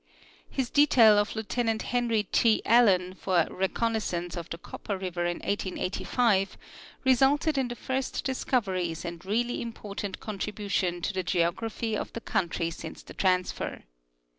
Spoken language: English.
■ His detail of Lieutenant Henr}^ T. Allen for a reconnaissance of the Copper river in 1885 resulted in the first discoveries and really important contribution to the geography of the country since the transfer.